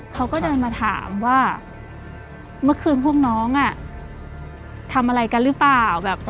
เขาก็เดินมาถามว่าเมื่อคืนพวกน้องทำอะไรกันหรือเปล่า